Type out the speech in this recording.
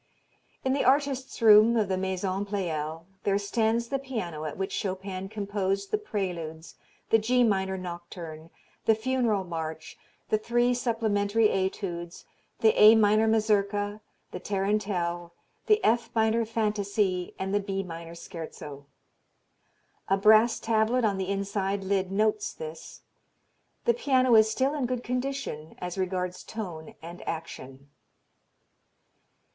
In the artist's room of the Maison Pleyel there stands the piano at which Chopin composed the Preludes, the G minor nocturne, the Funeral March, the three supplementary etudes, the A minor Mazurka, the Tarantelle, the F minor Fantasie and the B minor Scherzo. A brass tablet on the inside lid notes this. The piano is still in good condition as regards tone and action.